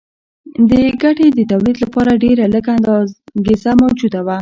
د ګټې د تولید لپاره ډېره لږه انګېزه موجوده وه